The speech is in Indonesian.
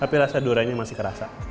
tapi rasa duriannya masih kerasa